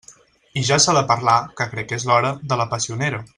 I ja s'ha de parlar —que crec que és hora— de la passionera.